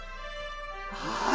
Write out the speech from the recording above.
はい。